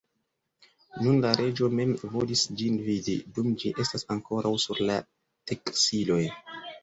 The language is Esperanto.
Nun la reĝo mem volis ĝin vidi, dum ĝi estas ankoraŭ sur la teksiloj.